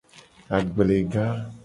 Agblega.